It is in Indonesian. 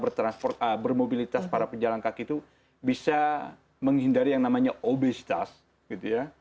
bertransport bermobilitas para pejalan kaki itu bisa menghindari yang namanya obesitas gitu ya